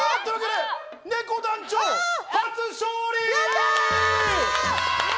ねこ団長、初勝利！